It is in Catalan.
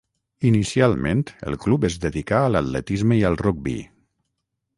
Inicialment el club es dedicà a l'atletisme i al rugbi.